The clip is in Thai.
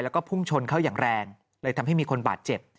แล้วก็พุ่งชนเข้าอย่างแรงเลยทำให้มีคนบาดเจ็บ